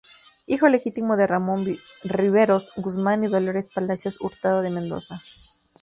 Hijo legítimo de Ramón Riveros Guzmán y Dolores Palacios Hurtado de Mendoza.